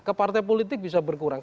ke partai politik bisa berkurang